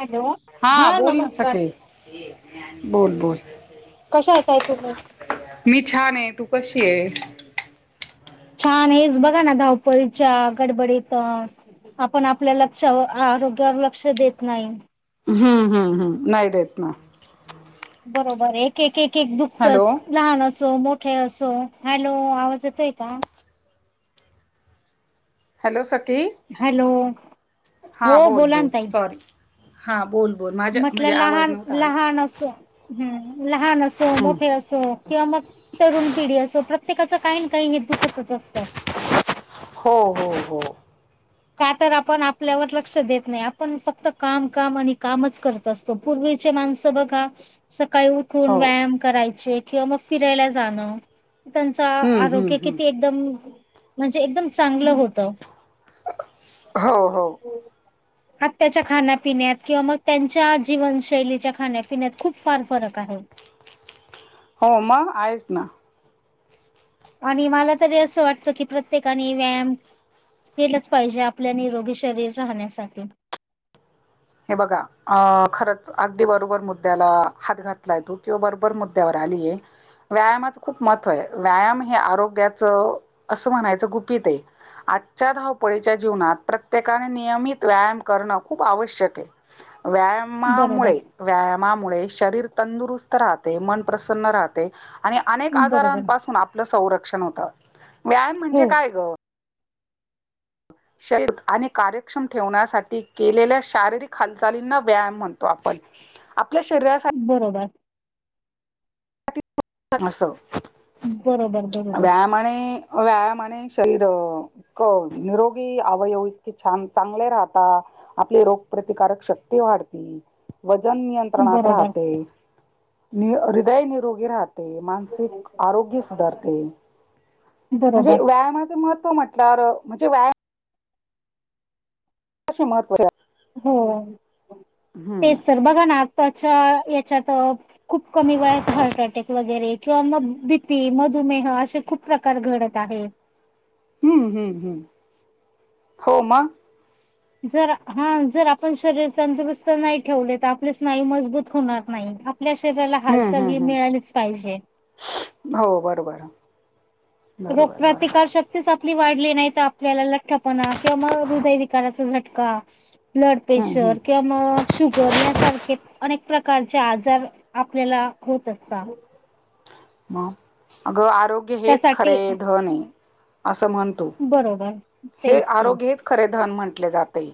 Hello हा बोल न सखे बोल, बोल. कशा येतय तुम्ही. मी छान आहे तू कशी आहेस? छान हेच बघा ना धावपळीच्या गडबडीत. आपण आपल्या लक्ष आरोग्यावर लक्ष देत नाही. हम्म- हम्म -हम्म नाही देत ना. बरोबर एक- एक- एक -एक हॅलो दुखतच लहान असो मोठ. असो हॅलो आवाज येतोय का? हॅलो सखी? हॅलो. हा हो बोल- बोला ना बोल ताई सॉरी हा बोल- बोल. माझ्या म्हटलं म्हणजे आवाज लहान- नव्हता आला लहान असं ह लहान अस हम्म. मोठे अस. असो किंवा मग तरुण पिढी असो प्रत्येकाच काही ना काही हे दुखतच असतं. हो-हो -हो. का तर आपण आपल्यावर लक्ष देत नाही आपण फक्त काम -काम आणि कामच करतो. तो पूर्वीचे माणसं बघा सकाळी. खूप हो व्यायाम करायचे किंवा मग फिरायल. णजाण त्यांच हम्म हम्म आरोग्य किती हम्म एकदम म्हणजे एकदम चांगलं होतं. हो- हो. हो. आत्याच्या खाण्यापिण्यात किंवा मग त्यांच्या जीवनशैलीच्या खाण्यापिण्यात खूप फार फरक आहे. हो मग आहेच ना. आणि मला तरी असं वाटत की प्रत्येकाने व्यायाम केलंच पाहिजे आपल्या निरोगी शरीर राहण्यासाठी. हे बघा अ खरंच अगदी बरोबर मुद्द्याला हात घातला किंवा बरोबर मुद्द्यावर आलीय व्यायामाचं खूप महत्त्व आहे व्यायाम हे आरोग्याचं असं म्हणायचं गुपित आहे आजच्या धावपळीच्या जीवनात प्रत्येकाने नियमित व्यायाम करणं खूप आवश्यक बरोबर व्यायामामुळे व्यायामामुळे शरीर तंदुरुस्त राहते, मन प्रसन्न राहते आणि अनेक बरोबर आजारांपासून आपलं संरक्षण होतं व्यायाम हो म्हणजे काय? ग शरीर आणि कार्यक्षम ठेवण्यासाठी केलेल्या शारीरिक हालचालींना व्यायाम म्हणतो आपण. आपल्या शरीरासाठी बरोबर. अस.. बरोबर.. बरोबर व्यायामाने व्यायामाणे शरीर हो निरोगी अवयव इतके छान चांगले राहता आपली रोगप्रतिकारक शक्ती वाढती- वजन नियंत्रणात बरोबर राहते, निरो हृदय निरोगी राहते. राहते, मानसिक आरोग्य सुधारते म्हणजे बरोबर व्यायामाचे मह त्व म्हटल्यावर म्हणजे व्यायाम महत्व असते हो तेच तर बघा ना आताच्या हेच्यातच- खूप कमी वयात हार्ट अटॅक वगैरे किंवा मग बीपी मधुमेह असे खूप प्रकार घडत आहेत हम्म हम्म हम्म हो मग.. जर हा जर आपण शरीर तंदुरुस्त नाही ठेवले तर आपले स्नायू मजबूत होणार नाहीत ना आपल्या शरीराला हम्म हालचाल ही हम्म हम्म मिळालीच पाहिजे हो बरोबर बरोबर बरोबर रोगप्रतिकार शक्त शक्तीच आपली वाढली नाही तर आपल्याला लठ्ठपणा किंवा मग हृदयविकाराचा झटका ब्लड हम्म हम्म. प्रेशर किंवा - म शुगर यासारखे अनेक प्रकारचे आजार आपल्याला होत असतात मग अगं आरोग्य हेच त्यासाठी खरे धन आहे असं म्हणतो बरोबर.. हे तेच आरोग्य तेच हेच खरे धन म्हटले जाते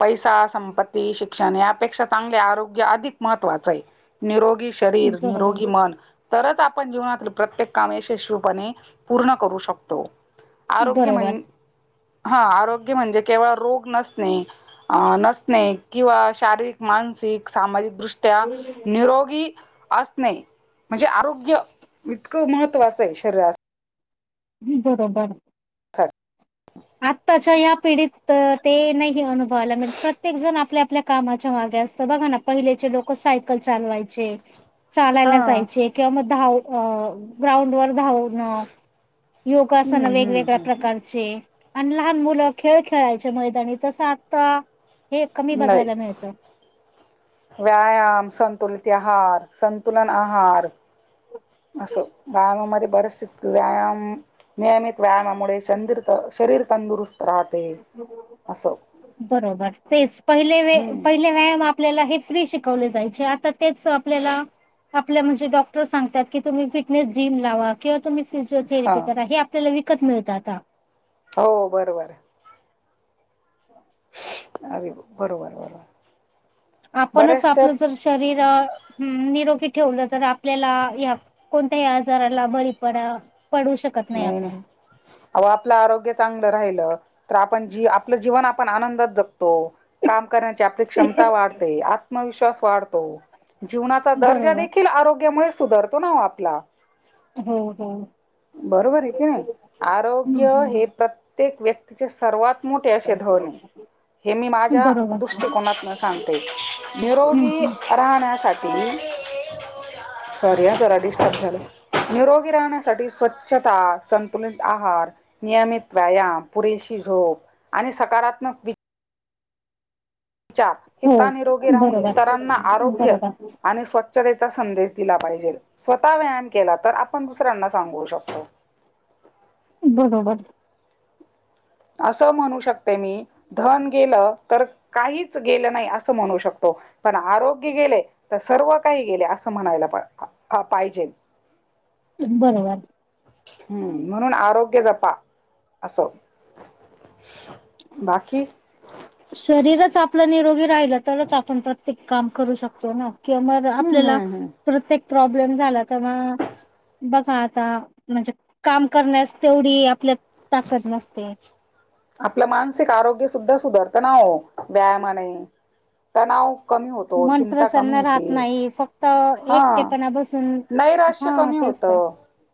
पैसा, संपत्ती, शिक्षण यापेक्षा चांगले आरोग्य अधिक महत्वाचं आहे निरोगी शरीर, निरोगी बरोबर मन तरच आपण जीवनातील प्रत्येक कामे यशस्वीपणे पूर्ण करू शकतो आरोग्य बरोबर म्हण हा आरोग्य म्हणजे केवळ रोग नसणे अ नसणे किंवा शारीरिक, मानसिक, सामाजिक दृष्टी त्या निरोगी असणे. म्हणजे आरोग्य इतकं महत्त्वाचं आहे शरीरासाठी.. बरोबर.. आत्ताच. च्या या पिढीत ते नाही अनुभवायला मिळत. प्रत्येक जण आपल्या आपल्या कामाच्या मागे असतं. बघा ना. पहिलेचे लोक सायकल चालवायचे. चालायला हा. जायचे. किंवा म धाव ग्राउंड वर धाव हम्म योगासन हम्म वेगवेगळ्या हम्म प्रकारचे. आणि लहान मुलं खेळ खेळायचे मैदानी. तसं आत्ता हे कमी नाही बघायला मिळतं. व्यायाम, संतुलित आहार, संतुलन आहार. असं. गावामध्ये बरस व्यायाम नियमित व्यायाम मुळे तंदुरुस्त शरीर तंदुस्त बरोबर तेच. पहिले वे हम्म पाहीले कायम आपल्याला हे फ्री शिकवले जायचे. आता तेच आपल्याला आपल्या म्हणजे डॉक्टर सांगतात की, तुम्ही फिटनेस जिम लावा. किंवा तुम्ही हा फिजिओथेरपी करा. हे आपल्याला विकत मिळतात आता. हो बरोबरे. [inaudible] अ बरोबर बरोबर. आपणच बऱ्याचशा आपलं जर शरीर निरोगी ठेवलं. तर आपल्याला या कोणत्याही आजाराला बळी पडा, पडू शक नाही नाही. आहो आपलं आरोग्य चांगलं राहिलं. तर आपण जी आपलं जीवन आपण आनंदात जगतो. काम करण्याची आपली क्षमता वाढते. आत्मविश्वास वाढतो. जीवनाचा दर्जा बरोबर देखील आरोग्यामुळे सुधारतो ना ओ आपला. हो हो. बरोबर ये की नाही. हं, आरोग्य हे हं. प्रत्येक व्यक तिचे सर्वात मोठे असे धने. हे मी माझ्या बरोबर दृष्टिकोनातून सांगते. हं, निरोगी हं. राहण्यासाठी, सॉरी ह जरा डिस्टर्ब झालं. निरोगी राहण्यासाठी स्वच्छ ता. संतुलीत आहार, नियमित व्यायाम, पुरेशी झोप, आणि सकारात्मक वि चार. हो हिता निरोगी राहून. बरोबर इतरांना आरोग्य बरोबर आणि स्वच्छतेचा संदेश दिला पाहिजे. स्वतः व्यायान केला तर, आपण दुसऱ्यांना सांगू शकतो. बरोबर. असं म्हणू शकते मी. धन गेलं तर काहीच गेलं नाही असं म्हणू शकतो. पण आरोग्य गेले तर सर्व काही गेले असं म्हणायला प आ पाहिजे. बरोबर. हम्म म्हणून आरोग्य जपा. असं. बाकी? शरीरच आपलं निरोगी राहिलं. तरच आपण प्रत्येक काम करू शकतो ना. किं म हम्म आपल्याला हम्म हम्म प्रत्येक प्रॉब्लेम झाला तेव्हा बघा आता म्हणजे काम करण्यास तेवढी आपल्या ताकद नसते. आपलं मानसिक आरोग्य सुद्धा सुधारत ना ओ. व्यायामाने. तनाव कमी होतो. मन चिंता कमी प्रसन्न होते. राहत नाही फक्त हा एकटेपणा बसून नैराश्य हा कमी तेच तर. होतं.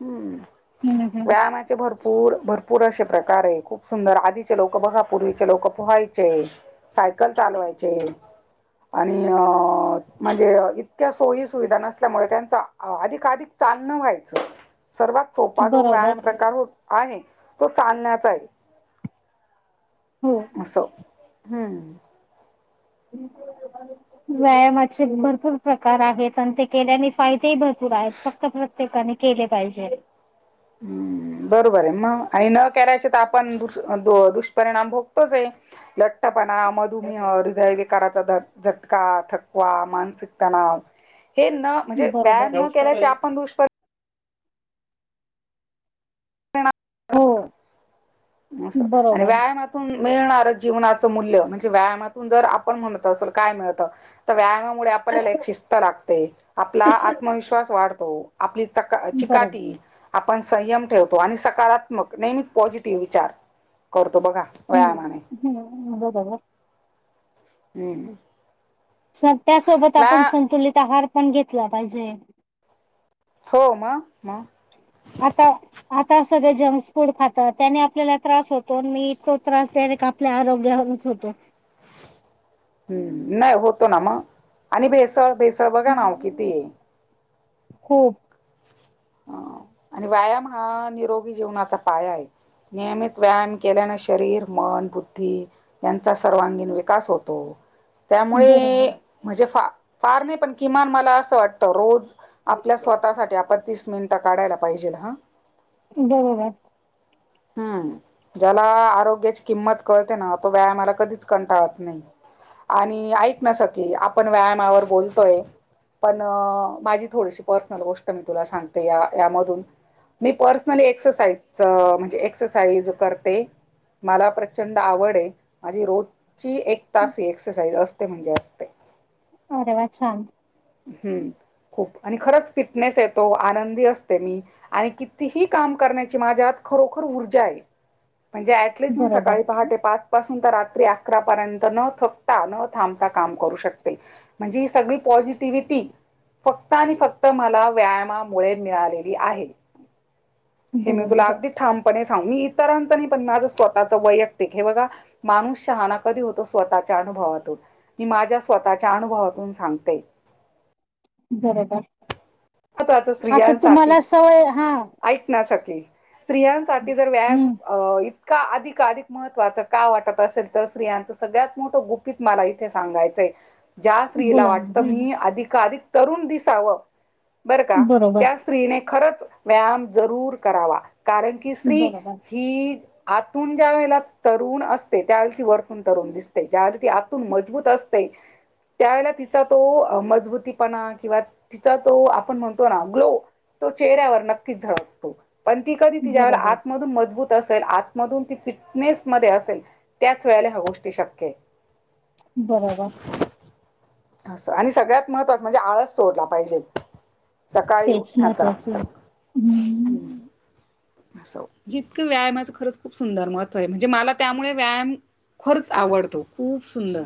हम्म. हम्म हम्म हम्म. ते भरपूर भरपूर असे प्रकार आहे, खूप सुंदर आधीचे लोक बघा पूर्वीचे लोक पोहायचे. सायकल चालवायचे आणि अ म्हणजे इतक्या सोयी सुविधा नसल्यामुळे त्यांचा अ अधिकाधिक चालनं व्हायचं सर्वात सोपा जो व्यायाम बरोबर प्रकार हो, आणि तो चालण्याचा आहे. हो. असो, हम्म. [inaudible] व्यायामाचे भरपूर प्रकार आहेत आणि ते केल्याने फायदेही भरपूर आहेत. [unintelligible] प्रत्येकाने केले पाहिजे‌. हम् बरोबर आहे, मग आणि न करायचे तर आपण दु-दुष्परिणाम भोगतोचे. लठ्ठपणा, मधुमेह, हृदयविकाराचा [unintelligible] झटका, थकवा, मानसिक तणाव हे न म्हणजे बरोबर व्यायाम न केल्याचे आपण दुष्परि हो असं आणि बरोबर व्यायाम हम्म, मिळणार जीवनाचं मूल्य म्हणजे व्यायामातून जर आपण म्हणत असलं काय मिळतं तर व्यायामामुळे आपल्याला एक शिस्त लागते, आपला आत्मविश्वास वाढतो. आपली बरोबर. चक-चिकाटी आपण संयम ठेवतो आणि सकारात त्मक नेहमी पॉझिटिव्ह विचार करतो बघा. हम्म, व्यायामाने. हम्म, बरोबर. हम्म. सध्या, सोबत वा आपण संतुलित आहार पण घेतला पाहिजे. हो मग, मग? आता आता सगळे जंक्श फूड खातात त्यानी आपल्याला त्रास होतो मी तो त्रास डायरेक्ट आपल्या आरोग्यावरच होतो. हम् नाही होतो ना मग, आणि भेसळ-भेसळ बघा ना वो किती? हो. ह आणि व्यायाम हा निरोगी जीवनाचा पाया आहे. नियमित व्यायाम केल्याने शरीर, मन, बुद्धी यांचा सर्वांगीण विकास होतो. बरोबर. त्यामुळे, म्हणजे फार नाही पण किमान मला असं वाटतं रोज. आपल्या स्वतःसाठी आपण तीस मिनिटं काढायला पाहिजे हा. बरोबर. हम्म, ज्याला आरोग्याची किंमत कळते ना तो व्यायामाला कधीच कंटाळत नाही. आणि ऐक नां सखी आपण व्यायामावर बोलतोयं पणं माझी थोडीशी पर्सनल गोष्ट मी तुला सांगते या यामधून मी पर्सनली एक्सरसाइज म्हणजे? एक्सरसाइज करते. मला प्रचंड आवडं आहे, माझी रोज. रोजची एक तास एक्सरसाइज असते. म्हणजे असते. अरे वा छान. हम्म खूप, आणि खरंच फिटनेस येतो. आनंदी असते मी. आणि कितीही काम करण्याची माझ्यातं खरोखर ऊर्जा आहे. म्हणजे ऍटलिस्ट मी बरोबर, सकाळी पहाटे पाच पासून तर रात्री अकरापर्यंत न थकता न थांबता काम करू शकते. म्हणजे हि सगळी पॉझि टिव्हिटी फक्त आणि फक्त मला व्यायामामुळे मिळालेली आहे. हे मी तुला बरोबर, अगदी ठामपणे सांग मी इतरांचं नाही पण माझं स्वतःचं वैयक् हे बघा माणूस शहाना कधी होतो स्वतःच्या अनुभवातून. मी माझ्या स्वतःच्या अनुभवातून सांगते. बरोबर. महत्वाच आता तुम्हाला स्त्रियांसाठी सवय हा. ऐक ना! सखे. स्त्रियांसाठी जर व्यायाम हम्म अ इतका अधिक अधिक महत्त्वाचं का वाटत असेल तर स्त्रियांचं सगळ्यात मोठं गुप् कीच मला इथे सांगायचंय. ज्या स्त्रीला बोला ना वाटतं हम्म मी अधिकअधिक तरुण दिसावं. बरं का बरोबर, त्या स्त्रीने खरंच व्यायाम जरूर करावा. कारण कि की स्त्री बरोबर, ही आतून ज्या वेळेला तरुण असते त्यावेळेला ती वरतून तरुण दिसते. ज्यावेळेला आतून मजबूत असते. त्यावेळे तिचा तो मजबूतीपणा किंवा तिचा तो आपण म्हणतो ना ग्लो तो चेहऱ्यावर नक्कीच झळकतो. पण ती कधी ती ज्यावेळेला बरोबर, आतमधून मजबूत असेल आतमधून त फिटनेस मध्ये असेल त्याच वेळेला ह्या गोष्टी शक्य आहे. बरोबर. असं. आणि सगळ्यात महत्त्वाचं म्हणजे आळस सोडला पाहिजे. सकाळी तेचं उठण्याचा महत्वाचं. हम्म हम्म. असो जितकं व्यायामाच खरंच खूप सुंदर महत्व आहे. म्हणजे मला त्यामुळे व्यायाम खरंच आवडतो. खूप सुंदर.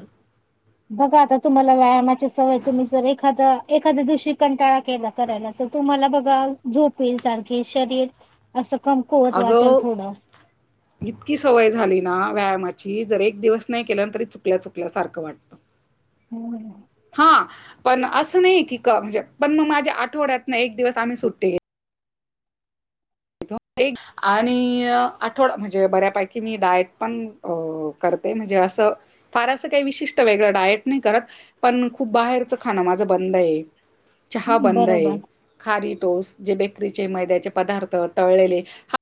बघा आता तुम्हाला व्यायामाची सवय तुम्ही जर एखादा एखाद्या दिवशी कंटाळा केलं करायला तर तुम्हाला बघा झोप येईल सारखी शरीर असं कमकुवत वाटल अगं थोडं. इतकी सवय झाली ना व्यायामाची जर एक दिवस नाही केलं तरी चुकल्या - चुकल्यासारखं वाटत. हो ना? हा पण असं नाहीयाय की क म्हणजे पण मग माझ्या आठवड्यात ना एक दिवस आम्ही सुट्टी घे तो एक आणि आठवडा म्हणजे बऱ्यापैकी मी डायट पण अ करते म्हणजे असं फार असं काही विशिष्ट वेगळं डायट नाही करत. पण खूप बाहेरचं खाणं माझं बंद आहे. चहा बंदय. बरोबर. खारी टोस जे बेकरीचे मैद्याचे पदार्थ तळलेले हा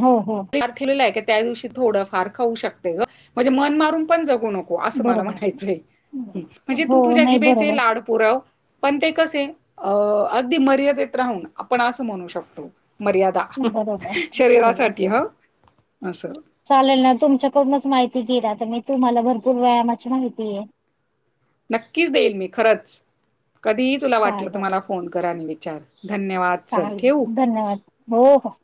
हो -हो. [unintelligible] त्या दिवशी थोड फार खाऊ शकते ग. म्हणजे मन मारून पण जगु नको. असं मला बरोबर. म्हणायचंय. म्हणजे तू हो, तुझ्या नाही जिभेचे बरोबर. लाड पुरव. पण ते कसे अ अगदी मर्यादेत राहून आपण असं म्हणू शकतो. मर्यादा! बरोबर. हो. शरीरासाठी ह. अस. चालेल ना तुमच्याकडूनच माहिती घेईल आता मी तुम्हाला भरपूर व्यायामाची माहिती आहे. नक्कीच देईल मी खरंच. कधीही तुला वाटलं तू चालेल, मला फोन कर आणि विचार. धन्यवाद. चल चालेल. ठेवू. धन्यवाद. हो हो.